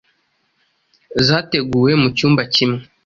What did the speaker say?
zateguwe. Mu cyumba kimwe,